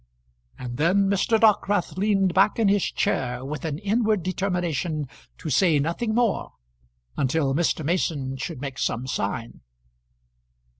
And then Mr. Dockwrath leaned back in his chair with an inward determination to say nothing more, until Mr. Mason should make some sign.